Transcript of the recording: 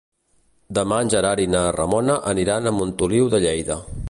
Demà en Gerard i na Ramona aniran a Montoliu de Lleida.